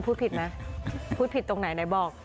พูดผิดไหมพูดผิดตรงไหนไหนบอก